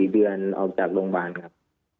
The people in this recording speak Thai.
๔เดือนออกจากโรงพยาบาลครับ